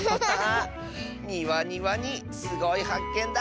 ニワにワニすごいはっけんだ！